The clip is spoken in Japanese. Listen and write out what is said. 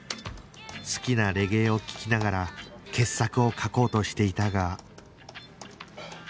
好きなレゲエを聴きながら傑作を書こうとしていたが